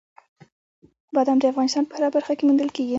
بادام د افغانستان په هره برخه کې موندل کېږي.